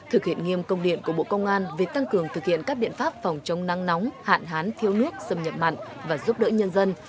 thực hiện nghiêm công điện của bộ công an về tăng cường thực hiện các biện pháp phòng chống nắng nóng hạn hán thiếu nước xâm nhập mặn và giúp đỡ nhân dân